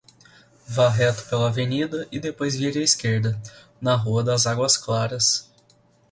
Vá reto pela Avenida e depois vire à esquerda, na Rua das Águas Claras.